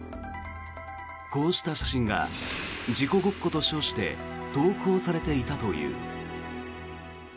こうした写真が事故ごっこと称して投稿されていたという。